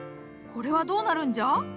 これはどうなるんじゃ？